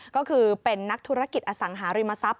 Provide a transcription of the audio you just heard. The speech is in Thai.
ก็คือเป็นนักธุรกิจอสังหาริมทรัพย